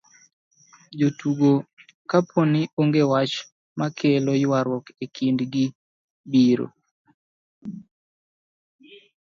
jotugo kapo ni onge wach makelo ywaruok e kind gi, biro